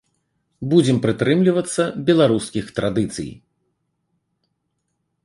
Будзем прытрымлівацца беларускіх традыцый.